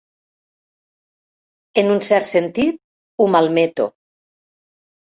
En un cert sentit, ho malmeto.